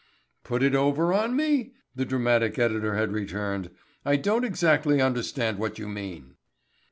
"Put it over on me?" the dramatic editor had returned. "I don't exactly understand what you mean."